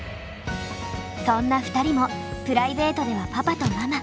そんな２人もプライベートではパパとママ。